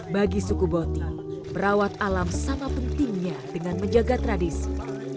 bagi suku boti merawat alam sama pentingnya dengan menjaga tradisi